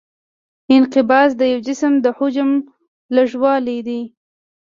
انقباض د یو جسم د حجم لږوالی دی.